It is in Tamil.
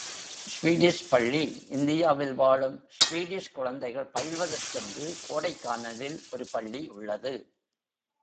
ஸ்வீடிஷ் பள்ளி இந்தியாவில் வாழும் ஸ்வீடிஷ் குழந்தைகள் பயில்வதற்கென்று கோடைக்கானலில் ஒரு பள்ளி உள்ளது.